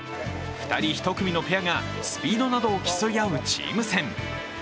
２人１組のペアがスピードなどを競い合うチーム戦。